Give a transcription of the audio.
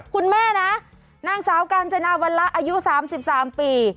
คุณแม่นะนางสาวกาญจนาวันละอายุ๓๓ปี